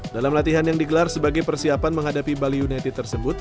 dalam latihan yang digelar sebagai persiapan menghadapi bali united tersebut